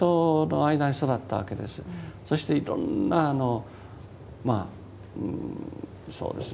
そしていろんなそうですね